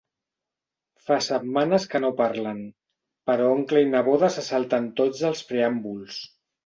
Fa setmanes que no parlen, però oncle i neboda se salten tots els preàmbuls.